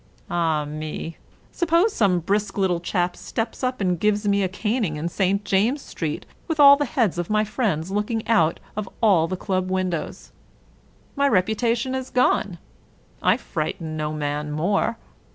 Ah me ! Suppose some 218 William Makepeace Thackeray brisk little chap steps up and gives me a caning in St. James's Street, with all the heads of my friends looking out of all the club windows. My reputation is gone. I frighten no man more.